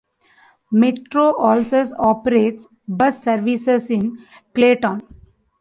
Metro also operates bus services in Clayton.